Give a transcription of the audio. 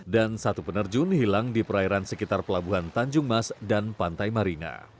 dan satu penerjun hilang di perairan sekitar pelabuhan tanjung mas dan pantai marina